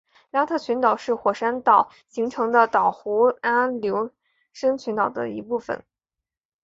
拉特群岛是火山岛形成的岛弧阿留申群岛的一部分。